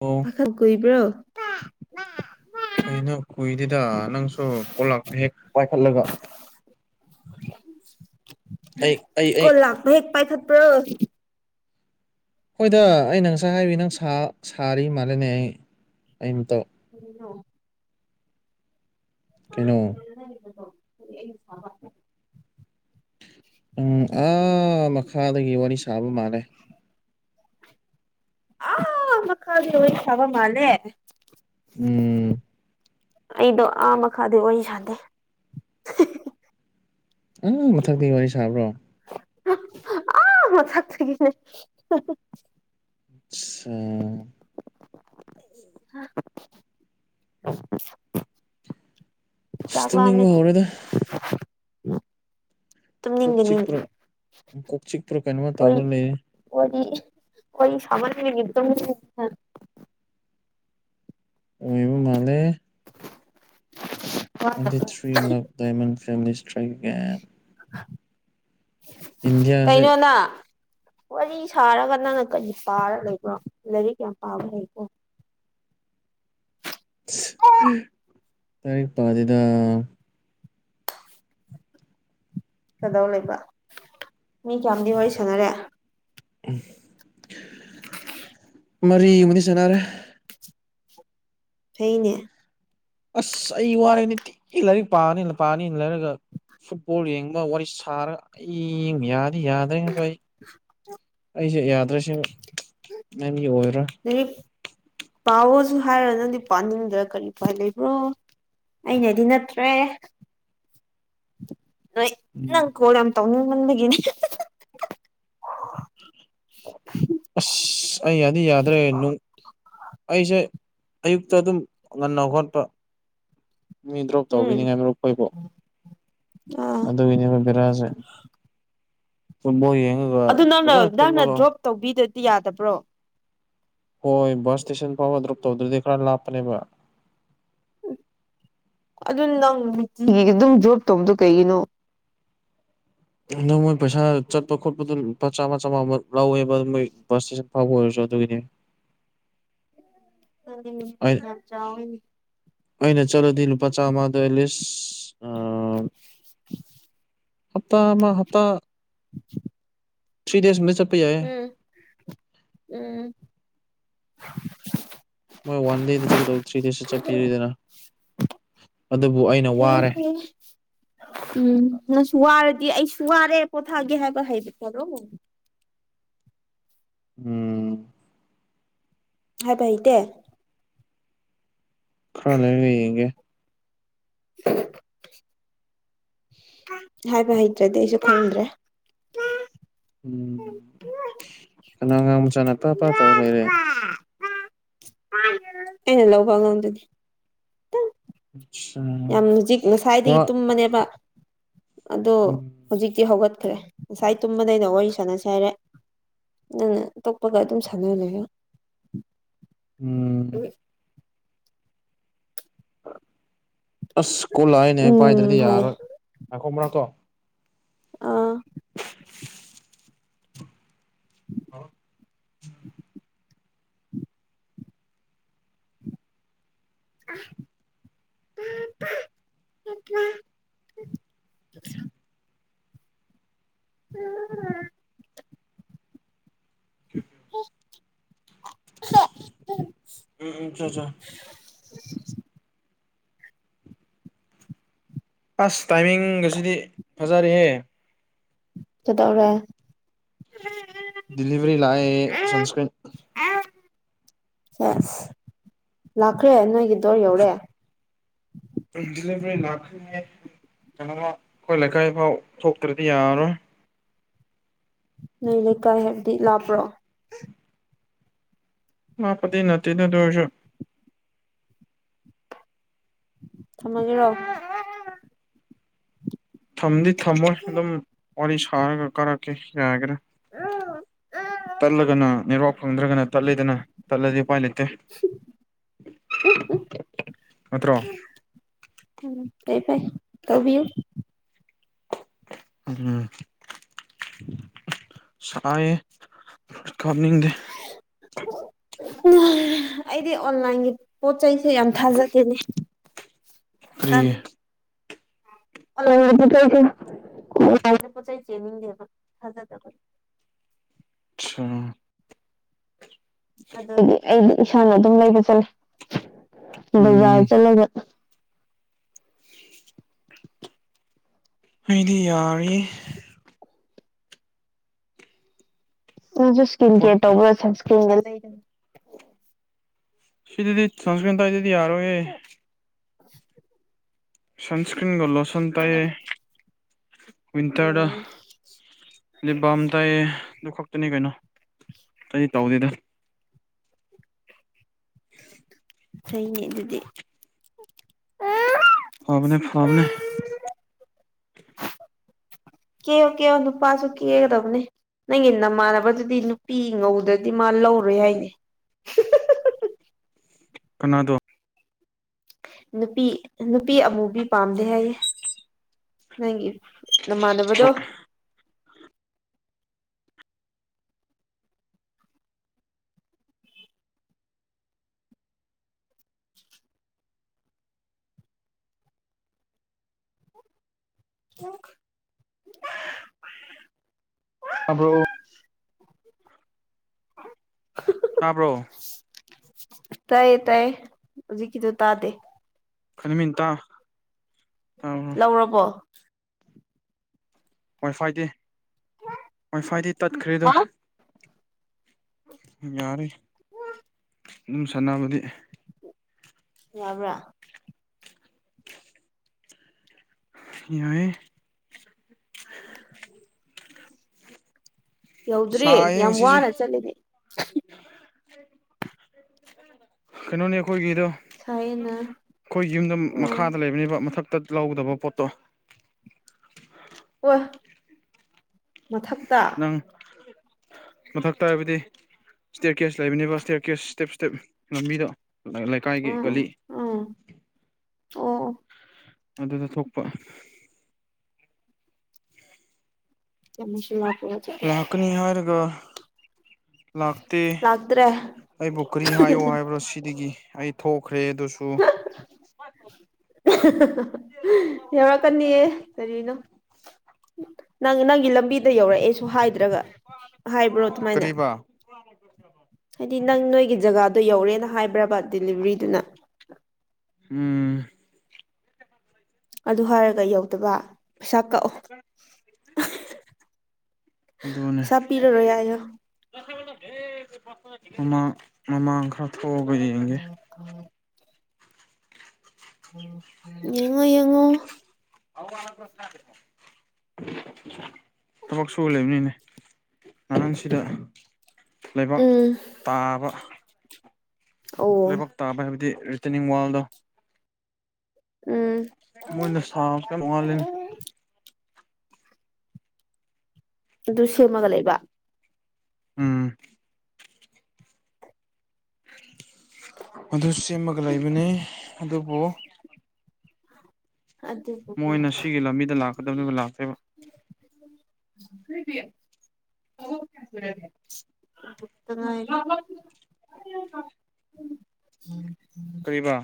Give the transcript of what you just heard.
ꯑꯣ ꯄꯥꯈꯛ ꯀꯕ꯭ꯔꯣ ꯀꯩꯅꯣ ꯀꯨꯏꯗꯦꯗ ꯅꯪꯁꯨ ꯀꯣꯂꯛꯄ ꯍꯦꯛ ꯄꯥꯏꯈꯠꯂꯒ ꯑꯩ ꯑꯩ ꯀ ꯑꯩ ꯂ ꯍꯦꯛ ꯄꯥꯏꯊꯠꯄ꯭ꯔꯣ ꯍꯣꯏꯗ ꯑꯩꯅ ꯉꯁꯥꯏ ꯍꯥꯏꯕꯤ ꯅꯪ ꯁꯥꯔꯤ ꯃꯥꯜꯂꯦꯅꯦ ꯑꯩ ꯑꯝꯇꯧ ꯎꯝ ꯀꯩꯅꯣ [inaudible] ꯎꯝ ꯑꯥ ꯃꯈꯥꯗꯒꯤ ꯋꯥꯔꯤ ꯁꯥꯕ ꯃꯥꯜꯂꯦ ꯑ ꯃꯈ ꯀꯥꯜ ꯂꯣꯏ ꯊꯕ ꯃꯥꯂꯦ ꯎꯝ ꯑꯩꯗꯣ ꯑꯥ ꯃꯈꯥꯗꯤ ꯋꯥꯔꯤ ꯁꯥꯟꯗꯦ ꯑ ꯃꯊꯛꯗꯤ ꯋꯥꯔꯤ ꯁꯥꯕ꯭ꯔꯣ ꯑ ꯊꯥꯛꯊ ꯀꯅꯦ ꯑꯆꯥ [inaudible] ꯆꯥꯥꯛꯂꯗ ꯇꯨꯝꯅꯤꯡꯕ ꯍꯧꯔꯦꯗ ꯅꯤꯡ ꯀꯣꯛ ꯅꯤꯡ ꯆꯤꯛꯄ꯭ꯔꯣ ꯀꯣꯛ ꯆꯤꯛꯄ꯭ꯔꯥ ꯀꯩꯅꯣꯝꯃ ꯇꯧꯔ ꯂꯩꯔ ꯑꯩ ꯁꯃꯖ ꯅꯗꯝ ꯑꯣꯏꯕꯨ ꯃꯥꯂꯦ ꯇ꯭ꯋꯦꯟꯇꯤ ꯊ꯭ꯔꯤ ꯂꯞ ꯗꯗꯥꯏꯃꯟ ꯐꯦꯃꯤꯂꯤ ꯁꯇ꯭ꯔꯥꯏꯛ ꯟ ꯏꯟꯗꯤꯌꯥꯁꯦ ꯀꯩꯅꯣ ꯅꯪ ꯋꯥꯔꯤ ꯁꯥꯔꯒ ꯅꯪꯅ ꯀꯔꯤ ꯄꯥꯔ ꯂꯩꯕ꯭ꯔꯣ ꯂꯥꯏꯔꯤꯛ ꯌꯥꯝ ꯄꯥꯕ ꯂꯩꯕꯣ [inaudible] ꯇꯔꯛꯄꯥꯗꯤꯗ ꯀꯗꯧ ꯂꯩꯕ ꯃꯤ ꯀꯌꯥꯝꯗꯤ ꯋꯥꯔꯤ ꯁꯥꯟꯅꯔꯦ ꯃꯔꯤꯃꯗꯤ ꯁꯥꯟꯅꯔꯦ ꯐꯩꯅꯦ ꯑꯁ ꯑꯩ ꯋꯥꯔꯦꯅꯤ ꯇꯤ ꯂꯥꯏꯔꯤꯛ ꯄꯥꯅꯤꯅ ꯄꯥꯅꯤꯅ ꯂꯩꯔꯒ ꯐꯨꯠꯕꯣꯜ ꯌꯦꯡꯕ ꯋꯥꯔꯤ ꯁꯥꯔꯒ ꯑꯩꯕ ꯌꯥ ꯌꯥꯗ꯭ꯔꯔꯤꯅꯕ ꯑꯩ ꯑꯩꯁꯦ ꯌꯥꯗ꯭ꯔꯁꯤ ꯅꯦꯝꯒꯤ ꯑꯣꯏ ꯑꯗꯨ ꯄꯥꯎꯁ ꯍꯥꯏꯔꯣ ꯅꯪꯗꯤ ꯄꯅꯤꯡꯗ ꯀꯔꯤ ꯎꯄꯥꯏ ꯂꯩꯕ꯭ꯔꯣ ꯑꯩꯅꯗꯤ ꯅꯠꯇ꯭ꯔꯦ ꯅ ꯅꯪ ꯎꯝ ꯀꯣꯔꯝ ꯇꯧꯅꯤꯡ ꯃ [inaudible] ꯑꯁ ꯑꯩ ꯌꯥꯗꯤ ꯌꯥꯗ꯭ꯔꯦ ꯑꯩꯁꯦ ꯑꯌꯨꯛꯇ ꯑꯗꯨꯝ ꯉꯟꯅ ꯍꯣꯠꯄ ꯃꯤ ꯗ꯭ꯔꯣꯞ ꯎꯝ ꯇꯧꯕꯤꯅꯤꯡꯉꯥꯏ ꯃꯔꯨꯞ ꯑꯩꯏꯕꯨ ꯑꯥ ꯑꯗꯨꯗ ꯏꯅꯦ ꯕꯤꯔꯥꯁꯦ ꯐ ꯑꯗꯨ ꯅꯪꯅ ꯅꯪꯅ ꯗ꯭ꯔꯣꯞ ꯇꯧꯕꯤꯗꯗꯤ ꯌꯥꯗꯕ꯭ꯔꯣ ꯍꯣꯏ ꯕꯁ ꯏꯁꯇꯦꯁꯟ ꯐꯥꯎꯕ ꯗ꯭ꯣꯔꯞ ꯇꯧꯗ꯭ꯔꯗꯤ ꯈꯔ ꯂꯥꯞꯄꯅꯦꯕ ꯑꯗꯨ ꯅꯪ ꯅꯨꯡꯇꯤꯒꯤ ꯑꯗꯨꯝ ꯗ꯭ꯔꯣꯕ ꯇꯧꯕꯗꯣ ꯀꯩꯒꯤꯅꯣ ꯅꯪ ꯃꯣꯏ ꯄꯩꯁꯥ ꯆꯠꯄ ꯈꯣꯠꯄ ꯑꯗꯨꯝ ꯂꯄꯥ ꯆꯥꯝꯃ ꯆꯥꯝꯃꯉꯥꯃꯨꯛ ꯂꯧꯋꯦꯕ ꯑꯗꯨ ꯃꯣꯏ ꯕꯁ ꯏꯁꯇꯦꯁꯟ ꯐꯥꯎꯕ ꯑꯣꯏꯔꯁꯨ ꯑꯗꯨ ꯀꯗꯤ [inaudible] ꯑꯩ ꯆꯥ [inaudible] ꯑꯩꯅ ꯆꯠꯂꯗꯤ ꯂꯨꯄꯆꯥ ꯃꯥꯗ ꯑꯂꯤꯁ ꯑ ꯍꯞꯇꯥ ꯑꯃ ꯍꯞꯇꯥ [inaudible] ꯁꯤꯔꯤꯗꯦꯁ ꯃ ꯎꯝ ꯎꯝ ꯃꯣꯏ ꯋꯥꯟ ꯗꯦꯗ ꯆꯠꯀꯗꯕ ꯊ꯭ꯔꯤ ꯗꯦꯇ ꯆꯠꯄꯤꯔꯤꯗꯅ ꯑꯗꯨꯕꯨ ꯑꯩꯅ ꯍ ꯋꯥꯔꯦ ꯍ ꯎꯝ ꯉꯪꯁꯨ ꯋꯥꯔꯗꯤ ꯑꯩꯁꯨ ꯆꯨꯏꯔ ꯄꯣꯊꯥꯒꯦꯍꯒ ꯍꯥꯏꯕ ꯇꯔꯣ ꯎꯝ ꯍꯥꯏꯕꯍꯤꯗ ꯈꯔ ꯂꯩꯔꯒ ꯌꯦꯡꯒꯦ ꯑꯦ [inaudible] ꯍꯥꯏꯕ ꯍꯩꯇ꯭ꯔꯗꯤ ꯑꯩꯁꯨ ꯈꯪꯗ꯭ꯔꯦ ꯎꯝ ꯀꯩꯅꯣꯉꯥꯡ ꯃꯆꯥꯅꯄꯥ ꯑꯄꯥ ꯇꯧ ꯂꯩꯔꯦ ꯀꯩꯅ ꯂꯧꯕ ꯉꯗꯅꯦ ꯑꯠꯁꯥ ꯌꯥꯝ ꯍꯧꯖꯤꯛ ꯋꯥ ꯉꯁꯥꯏꯗꯒꯤ ꯇꯨꯝꯕꯅꯦꯕ ꯑꯗꯣ ꯎꯝ ꯍꯧꯖꯤꯛꯇꯤ ꯍꯧꯒꯠꯈ꯭ꯔꯦ ꯉꯁꯥꯏ ꯇꯨꯝꯕꯗꯩꯅ ꯋꯥꯔꯤ ꯁꯥꯟꯅꯁꯦ ꯍꯥꯏꯔꯦ ꯅꯪ ꯅ ꯑꯇꯣꯞꯄꯒ ꯑꯗꯨꯝ ꯁꯥꯟꯅꯍꯂꯔ ꯎꯝ ꯑꯁ ꯀꯣꯂꯥꯛꯏꯅꯦ ꯑꯩ ꯄꯥꯏꯗ꯭ꯔꯗꯤ ꯎꯝ ꯍꯣꯏ ꯌꯥꯔꯣꯏ ꯌꯥꯥꯛꯈꯣꯕ꯭ꯔꯥꯠꯇꯣ ꯑꯥ ꯍꯂꯣ [inaudible] ꯎꯝ [inaudible] ꯎꯝ [unintelligible] ꯎꯝ [inaudible] ꯎꯝ ꯎꯝ ꯑꯆꯥ ꯑꯆꯥ [inaudible] ꯑꯁ ꯇꯥꯏꯃꯤꯡꯒꯁꯤꯗꯤ ꯐꯖꯔꯦꯍꯦ ꯆꯗꯣꯛꯔ ꯂꯤꯕꯔꯤ ꯂꯑ ꯁꯟꯁꯀꯔꯤ ꯁꯁ ꯂꯥꯛꯈ꯭ꯔꯦ ꯅꯣꯏꯒꯤ ꯗꯣꯔ ꯌꯧꯔꯑꯦ ꯄꯖꯤꯂ ꯂꯅꯥ ꯀꯩꯅꯣꯃ ꯑꯩꯈꯣꯏ ꯂꯩꯀꯥꯏꯐꯥꯎ ꯊꯣꯛꯇ꯭ꯔꯗꯤ ꯌꯥꯔꯔꯣꯏ ꯅ ꯂꯩꯀꯥꯏ ꯍꯥꯏꯕꯗꯤ ꯂꯥꯄ꯭ꯔꯣ ꯃꯥ ꯄꯗꯤ ꯅ ꯅꯗꯣꯏꯁ ꯊꯝꯃꯒꯦꯔꯣ ꯊꯝꯗꯤ ꯊꯝꯃꯣꯏ ꯑꯗꯨꯝ ꯋꯥꯔꯤ ꯁꯥꯔꯒ ꯀꯥꯔꯛꯀꯦ ꯌꯥꯒꯔꯥ ꯑ ꯇꯠꯂꯒꯅ ꯅꯦꯔꯥꯛ ꯐꯪꯗ꯭ꯔꯒꯅ ꯇꯠꯂꯗꯅ ꯇꯠꯂꯗꯤ ꯎꯄꯥꯏ ꯂꯩꯇꯦ ꯅꯠꯇ꯭ꯔꯣ ꯇ ꯐꯥꯏ ꯀꯧꯕꯤꯌꯨ ꯎꯝ ꯁꯥꯏ ꯀꯅꯤꯡꯗ ꯑꯩꯗꯤ ꯑꯣꯟꯂꯥꯏꯟꯒꯤ ꯄꯣꯠ ꯆꯩꯩꯁꯦ ꯌꯥꯝ ꯊꯥꯖꯗꯦꯅꯦ ꯄ꯭ꯔꯤ ꯑꯗꯤ ꯊꯥꯏ ꯀ ꯄꯣ ꯆꯩ ꯇꯗꯕ ꯊꯖꯗꯕ ꯑ ꯑꯗꯨꯗꯤ ꯑꯩꯗꯤ ꯏꯁꯥꯅ ꯑꯗꯨꯝ ꯂꯩꯕ ꯆꯠꯂꯦ ꯖꯥ ꯎꯝ ꯆꯂꯒ ꯑꯩꯗꯤ ꯌꯥꯔ ꯅꯁꯨ ꯏꯁꯀꯤꯟ ꯄꯣꯠ ꯀꯦꯔ ꯇꯧꯕ꯭ꯔ ꯏꯁ ꯂꯩ ꯁꯤꯗꯤꯗꯤ ꯁꯁꯀ꯭ꯗꯗꯗꯤ ꯌꯥꯔꯣꯌꯦ [inaudible] ꯁꯟꯁꯀ꯭ꯔꯤꯟꯒ ꯂꯣꯁꯣꯟꯟ ꯂꯣꯏꯅ ꯇꯥꯏꯌꯦ ꯋꯟꯇꯔ ꯎꯝ ꯂꯩꯝ ꯇ ꯛꯇꯅꯤ ꯀꯩꯅꯣ ꯑꯩ ꯇꯧꯗꯦꯗ ꯊꯉ ꯑꯗꯨꯗꯤ ꯐꯕꯅꯦ ꯐꯕꯅꯦ ꯀꯦꯌꯣ ꯀꯦꯌꯣ ꯅꯨꯄꯥꯁꯨ ꯀꯦꯒꯗꯕꯅꯦ ꯅꯪꯒꯤ ꯅꯃꯥꯟꯅꯕꯗꯨꯗꯤ ꯅꯨꯄꯤ ꯉꯧꯗ꯭ꯔꯗꯤ ꯃꯥꯜꯂꯦ ꯂꯧꯔꯦ ꯍꯥꯏꯅꯤ ꯀꯅꯥꯗꯣ ꯅꯨꯄꯤ ꯅꯨꯄꯤ ꯑꯃꯨꯕꯤ ꯄꯥꯝꯗꯦ ꯍꯥꯏꯌꯦꯦ ꯅꯪꯒꯤ ꯅꯃꯥꯟꯅꯕꯗꯣ ꯀ ꯑ꯭ꯔꯣ [inaudible] [inaudible] ꯇꯥꯕ꯭ꯔꯣ ꯇꯌꯦ ꯇꯌꯦ ꯍꯧꯖꯤꯀꯤꯁꯨ ꯇꯥꯗꯦ ꯀꯅꯤꯃꯤꯇ ꯂꯧꯔꯕꯣ ꯋꯥꯏ ꯐꯥꯏꯗꯤ ꯋꯥꯏ ꯐꯥꯏꯗꯤ ꯇꯠꯈ꯭ꯔꯦꯗꯣ ꯌꯥꯔꯦ ꯑꯗꯨꯝ ꯁꯥꯟꯅꯕꯗꯤ ꯌꯥꯕ꯭ꯔꯥ ꯌꯥꯏ ꯌꯧꯗ꯭ꯔꯦ ꯁꯥꯏꯌꯦ ꯌꯥꯝ ꯋꯥꯅ ꯆꯠꯂꯅꯦ ꯎ ꯀꯩꯅꯣꯅꯦ ꯑꯩꯈꯣꯏꯒꯤꯗꯣ ꯁꯥꯏꯌꯦꯅ ꯑꯩꯈꯣꯏ ꯌꯨꯝꯗ ꯎꯝ ꯃꯈꯥꯗ ꯂꯩꯕꯅꯦꯕ ꯃꯊꯛ ꯇꯠ ꯂꯧꯗꯕ ꯄꯣꯠꯇꯣ ꯍꯣꯏ ꯃꯊꯛꯇ ꯃꯊꯛ ꯇꯥ ꯍꯥꯏꯕꯗꯤ ꯏꯁꯇꯦꯔ ꯀꯦꯁ ꯂꯩꯕꯅꯦꯕ ꯏꯁꯇꯦꯌꯥꯔ ꯀꯦꯁ ꯏꯁꯇꯦꯞ ꯏꯁꯇꯦꯞ ꯂꯝꯕꯤꯗꯣ ꯂꯩꯀꯥꯏꯒꯤ ꯒꯜꯂꯤ ꯎꯝ ꯎꯝ ꯑꯣ ꯑꯗꯨꯗ ꯊꯣꯛꯄ ꯆꯃꯁꯤ ꯂꯥꯛꯀꯅꯤ ꯍꯥꯏꯔꯒ ꯂꯥꯛꯇꯦ ꯂꯥꯛꯇ꯭ꯔꯦ ꯑꯩꯕꯨ ꯀꯔꯤ ꯍꯥꯏꯌꯣ ꯍꯥꯏꯕ꯭ꯔꯣ ꯁꯤꯗꯒꯤ ꯑꯩ ꯊꯣꯛꯈ꯭ꯔꯦ ꯁꯨ ꯌꯥꯎꯔꯛꯀꯅꯤꯑ ꯀꯔꯤꯅꯣ ꯅꯪ ꯅꯪꯒꯤ ꯂꯝꯕꯤꯗ ꯌꯧꯔꯛꯑꯦꯁꯨ ꯍꯥꯏꯗ꯭ꯔꯒ ꯍꯥꯏꯕ꯭ꯔꯣ ꯑꯗꯨꯃꯥꯏꯅ ꯀꯔꯤꯕ ꯍꯥꯏꯗꯤ ꯅꯪ ꯅꯣꯏꯒꯤ ꯖꯒꯥꯗꯣ ꯌꯧꯔꯦꯅ ꯍꯥꯏꯕ꯭ꯔꯕ ꯦꯂꯤꯚꯔꯤꯗꯨꯅ ꯎꯝ ꯑꯗꯨ ꯍꯥꯏꯔꯒ ꯌꯧꯗꯕ ꯄꯩꯁꯥ ꯀꯛꯑꯣ ꯑꯗꯨ ꯑꯗꯨꯅꯦ ꯄꯩꯁꯥ ꯄꯤꯔꯔꯣꯏ ꯍꯥꯏꯌꯣ ꯃꯃꯥꯡ ꯃꯃꯥꯡ ꯈꯔ ꯊꯣꯛꯑꯒ ꯌꯦꯡꯒꯦ ꯌꯦꯡꯉꯣ ꯌꯦꯡꯉꯣ ꯊꯕꯛ ꯁꯨ ꯂꯩꯦꯕꯅꯤꯅꯦ ꯉꯔꯥꯡꯁꯤꯗ ꯂꯩꯕꯥꯛ ꯎꯝ ꯇꯥꯕ ꯑꯣ ꯂꯥꯏꯕꯛ ꯇꯥꯕ ꯍꯥꯏꯕꯗꯤ ꯔꯤꯇꯔꯅꯤꯡ ꯋꯥꯔꯜꯗꯣ ꯎꯝ ꯃꯣꯏꯅ ꯁꯥꯕ ꯀꯣꯉꯜꯂꯅꯤ ꯑꯗꯨ ꯁꯦꯝꯃꯒ ꯂꯩꯕ ꯎꯝ ꯑꯗꯨ ꯁꯦꯝꯃꯒ ꯂꯩꯕꯅꯤ ꯑꯗꯨꯕꯨ ꯑꯗꯨꯕꯨ ꯀꯩ ꯃꯣꯏꯅ ꯁꯤꯒꯤ ꯂꯝꯕꯤꯗ ꯂꯥꯛꯀꯗꯧꯅꯦꯕ ꯂꯥꯛꯇꯦꯕ ꯀꯗꯤꯌꯥ [unintelligible] ꯎꯝ ꯀꯔꯤꯕꯥ